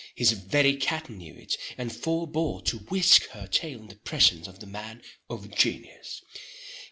His very cat knew it, and forebore to whisk her tail in the presence of the man of genius.